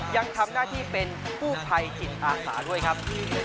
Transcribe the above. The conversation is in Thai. ยังทำหน้าที่เป็นกู้ภัยจิตอาสาด้วยครับ